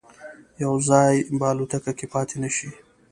یو ځای به الوتکه کې پاتې نه شي.